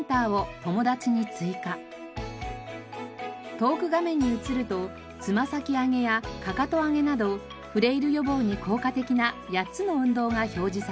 トーク画面に移るとつま先上げやかかと上げなどフレイル予防に効果的な８つの運動が表示されます。